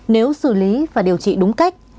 nếu xử lý và điều trị đúng cách